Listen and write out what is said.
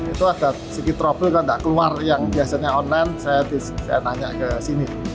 itu ada segi trouble kalau nggak keluar yang biasanya online saya tanya ke sini